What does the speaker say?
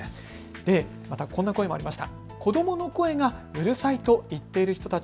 こんな声もありました。